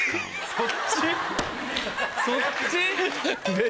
そっち？